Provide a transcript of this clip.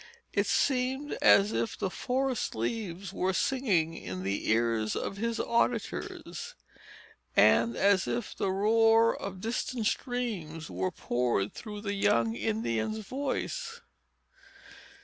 It seemed as if the forest leaves were singing in the ears of his auditors, and as if the roar of distant streams were poured through the young Indian's voice.